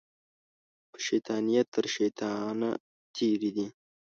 په شیطانیه تر شیطانه تېرې دي